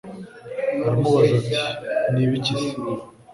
aramubaza ati “ni ibiki se?